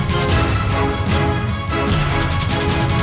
jangan lagi membuat onar di sini